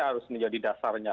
harus menjadi dasarnya